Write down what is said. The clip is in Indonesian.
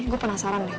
gue penasaran deh